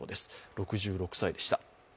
６６歳でした。